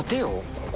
ここ。